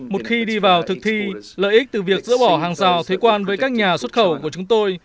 một khi đi vào thực thi lợi ích từ việc dỡ bỏ hàng rào thuế quan với các nhà xuất khẩu của chúng tôi